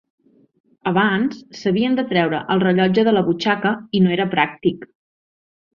Abans s'havien de treure el rellotge de la butxaca i no era pràctic.